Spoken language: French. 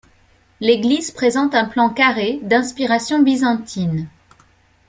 L'église présente un plan carré, d'inspiration byzantine.